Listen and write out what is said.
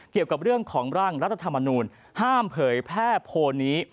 เกี่ยวกับเรื่องของร่างรัฐธรรมนูลห้ามเผยแพร่โพลนี้